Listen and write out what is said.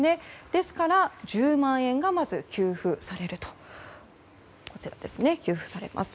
ですから１０万円が給付されます。